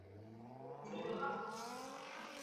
生物医学科学背景